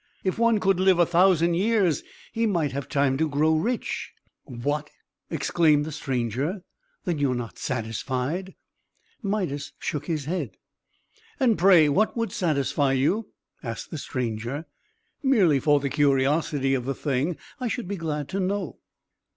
If one could live a thousand years, he might have time to grow rich!" "What!" exclaimed the stranger. "Then you are not satisfied?" Midas shook his head. "And pray what would satisfy you?" asked the stranger. "Merely for the curiosity of the thing, I should be glad to know."